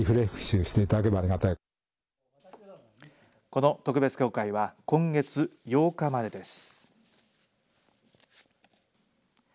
この特別公開は今月８日までです。